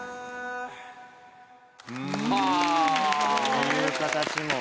そういう形も。